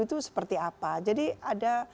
itu seperti apa jadi ada